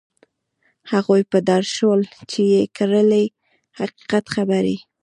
هغوی په دار شول چې یې کړلې حقیقت خبرې.